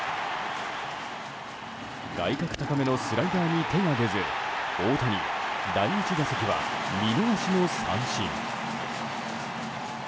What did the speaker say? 外角高めのスライダーに手が出ず大谷、第１打席は見逃しの三振。